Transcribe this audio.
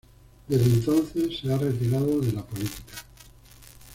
Desde entonces se ha retirado de la política.